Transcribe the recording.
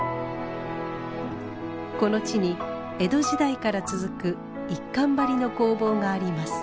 この地に江戸時代から続く一閑張の工房があります。